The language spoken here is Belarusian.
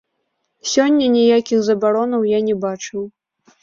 Сёння ніякіх забаронаў я не бачу.